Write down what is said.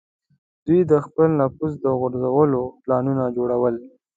دوی د خپل نفوذ د غځولو پلانونه جوړول.